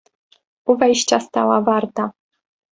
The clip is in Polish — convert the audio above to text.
"U wejścia stała warta."